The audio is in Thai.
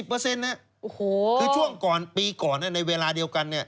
โอ้โฮคือช่วงปีก่อนเนี่ยในเวลาเดียวกันเนี่ย